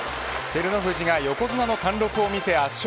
照ノ富士が横綱の貫禄を見せ圧勝。